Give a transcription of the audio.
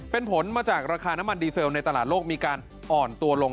เป็นผลมาจากราคาน้ำมันดีเซลในตลาดโลกมีการอ่อนตัวลง